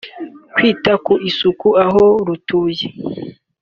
kwita ku isuku aho rutuye